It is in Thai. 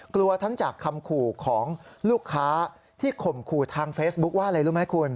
กลัวทั้งจากคำขู่ของลูกค้าที่ข่มขู่ทางเฟซบุ๊คว่าอะไรรู้ไหมคุณ